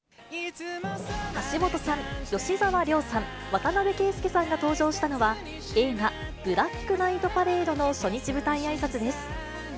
橋本さん、吉沢亮さん、渡邊圭祐さんが登場したのは、映画、ブラックナイトパレードの初日舞台あいさつです。